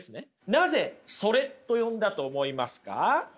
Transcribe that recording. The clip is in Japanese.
なぜ「それ」と呼んだと思いますか？